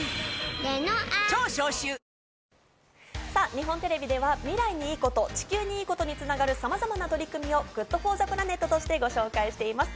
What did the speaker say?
日本テレビでは「未来にいいこと」、「地球にいいこと」につながるさまざまな取り組みをＧｏｏｄＦｏｒｔｈｅＰｌａｎｅｔとしてご紹介しています。